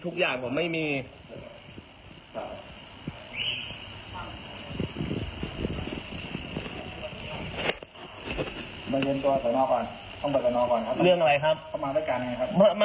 ค่ะ